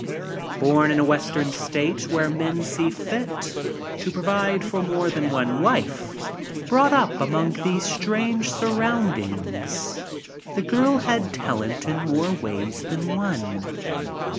Born in a Western state where men see fit to provide for more than one wife— brought up among these strange surroundings the girl had talent in more ways than one.